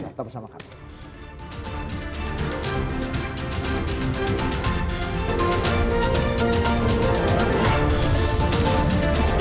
tetap bersama kami